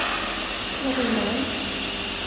Vad ville han?